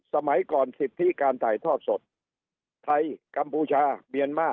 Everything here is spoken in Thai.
สมัยก่อนสิทธิการถ่ายทอดสดไทยกัมพูชาเมียนมาร์